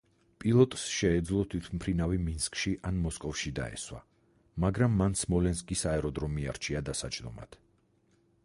პილოტს შეეძლო თვითმფრინავი მინსკში ან მოსკოვში დაესვა, მაგრამ მან სმოლენსკის აეროდრომი არჩია დასაჯდომად.